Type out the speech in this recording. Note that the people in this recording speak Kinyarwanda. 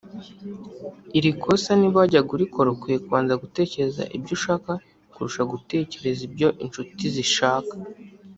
Iri kosa niba wajyaga urikora ukwiye kubanza gutekereza ibyo ushaka kurusha gutekereza ibyo inshuti zishaka